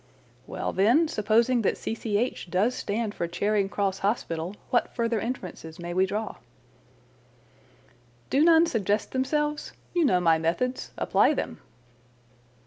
"Well, then, supposing that 'C.C.H.' does stand for 'Charing Cross Hospital,' what further inferences may we draw?" "Do none suggest themselves? You know my methods. Apply them!"